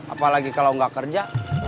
apalagi kalau gak kerja